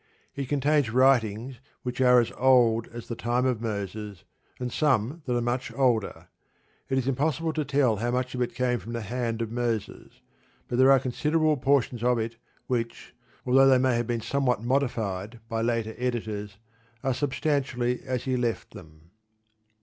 It contains writings which are as old as the time of Moses, and some that are much older. It is impossible to tell how much of it came from the hand of Moses; but there are considerable portions of it which, although they may have been somewhat modified by later editors, are substantially as he left them.